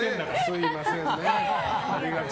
すみませんね。